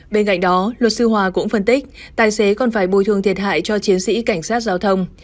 bên cạnh đó luật sư hòa cũng phân tích tài xế còn phải bồi thường thiệt hại cho chiến sĩ cảnh sát giao thông